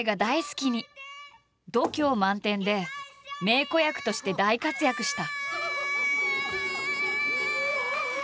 度胸満点で名子役として大活躍した。